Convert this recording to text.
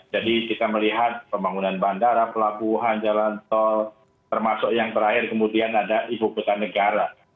jadi kita melihat pembangunan bandara pelabuhan jalan tol termasuk yang terakhir kemudian ada ibu kota negara